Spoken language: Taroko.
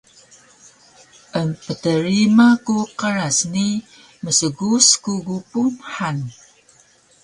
Emptrima ku dqras ni msgus ku gupun han